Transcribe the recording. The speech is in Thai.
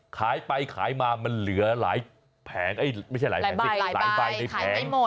ขายไปขายมามันเหลือหลายแผงไม่ใช่หลายแผงสิหลายใบในแผง